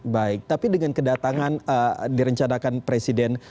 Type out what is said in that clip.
baik tapi dengan kedatangan direncanakan presiden